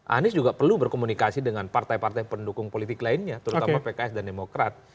anies juga perlu berkomunikasi dengan partai partai pendukung politik lainnya terutama pks dan demokrat